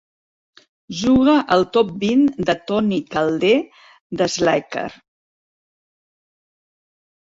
Juga el top-vint de Tony Calder de Slacker.